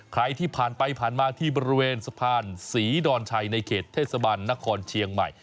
ใครที่ผ่านไปผ่านมาที่บริเวณสะพานศรีดอนชัยในเขตเทศบาลนครเชียงใหม่